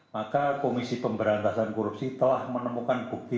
maka komisi pemberantasan korupsi telah menemukan bukti